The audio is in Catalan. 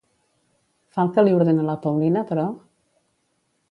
Fa el que li ordena la Paulina, però?